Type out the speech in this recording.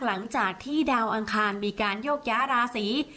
หลังจากที่ดาวอังคารมีการโยกย้าราศี